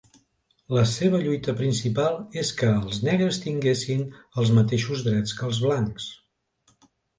La seva lluita principal és que els negres tinguessin els mateixos drets que els blancs.